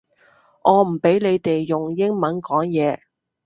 我唔畀你哋用英文講嘢